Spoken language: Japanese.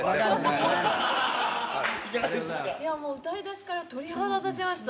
もう歌い出しから鳥肌立ちました。